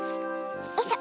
よいしょ。